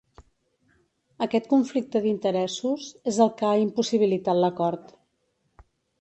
Aquest conflicte d’interessos és el que ha impossibilitat l’acord.